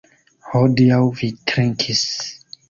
Hodiaŭ vi trinkis.